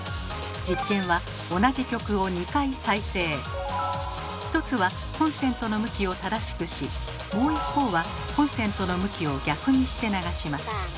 実験は一つはコンセントの向きを正しくしもう一方はコンセントの向きを逆にして流します。